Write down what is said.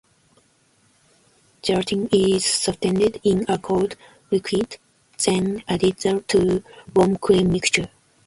Gelatin is softened in a cold liquid, then added to warm cream mixture.